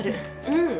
うん。